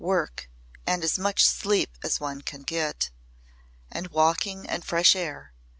Work and as much sleep as one can get, and walking and fresh air.